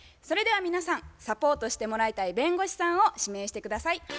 それでは皆さんサポートしてもらいたい弁護士さんを指名して下さい。